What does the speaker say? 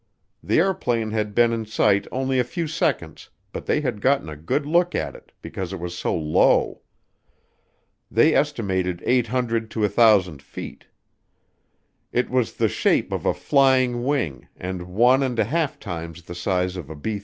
The airplane had been in sight only a few seconds but they had gotten a good look at it because it was so low. They estimated 800 to 1,000 feet. It was the shape of a "flying wing" and one and a half times the size of a B 36.